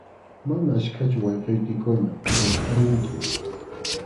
Mana achkachu wawqiykikuna ñakʼarinki.